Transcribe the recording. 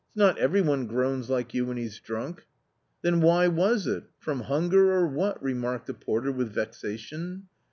it's not every one groans like you when he's drunk ?"" Then why was it — from hunger or what ?" remarked the porter with vexation.